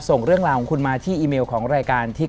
ส่งเรื่องราวของคุณมาที่อีเมลของรายการที่